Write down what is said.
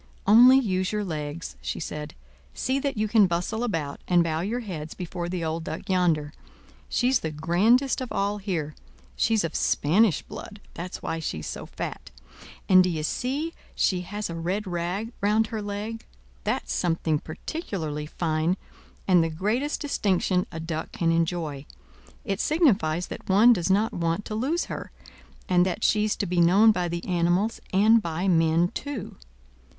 "Only use your legs," she said. "See that you can bustle about, and bow your heads before the old Duck yonder. She's the grandest of all here; she's of Spanish blood—that's why she's so fat; and d'ye see she has a red rag round her leg; that's something particularly fine, and the greatest distinction a duck can enjoy; it signifies that one does not want to lose her, and that she's to be known by the animals and by men too.